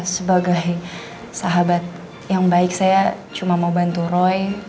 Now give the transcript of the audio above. sebagai sahabat yang baik saya cuma mau bantu roy